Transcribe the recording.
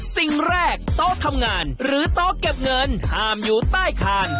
สิ่งแรกโต๊ะทำงานหรือโต๊ะเก็บเงินห้ามอยู่ใต้คาน